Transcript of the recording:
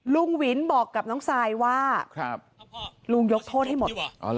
ลุงวินบอกกับน้องซายว่าลุงยกโทษให้หมด